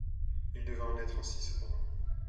Il devait en être ainsi cependant.